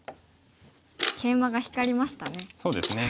ケイマが光りましたね。